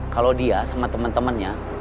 kalau dia sama temen temennya